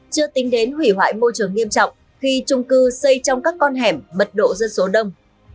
chưa tính đến hủy hoại môi trường nghiêm trọng khi trung cư xây trong các con hẻm mật độ dân số đông